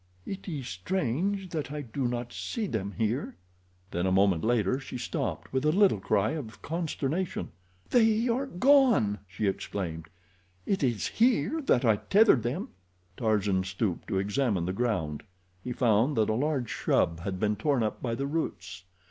"It is strange that I do not see them here." Then a moment later she stopped, with a little cry of consternation. "They are gone!" she exclaimed. "It is here that I tethered them." Tarzan stooped to examine the ground. He found that a large shrub had been torn up by the roots.